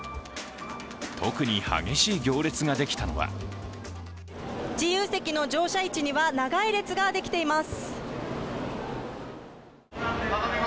特に激しい行列ができたのは自由席の乗車位置には長い列ができています。